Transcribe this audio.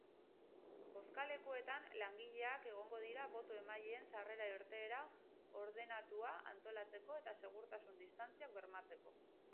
Bozkalekuetan langileak egongo dira boto-emaileen sarrera-irteera ordenatua antolatzeko eta segurtasun-distantziak bermatzeko.